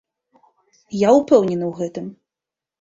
Я ўпэўнены ў гэтым.